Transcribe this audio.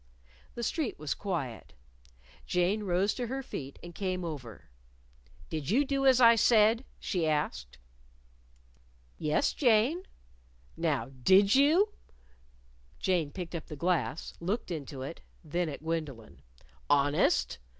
The street was quiet. Jane rose to her feet and came over. "Did you do as I said?" she asked. "Yes, Jane." "Now, did you?" Jane picked up the glass, looked into it, then at Gwendolyn. "Honest?"